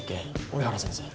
折原先生。